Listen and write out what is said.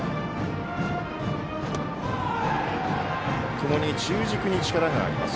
共に中軸に力があります。